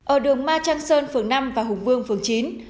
ở đường ma trang sơn phường năm và hùng vương phường chín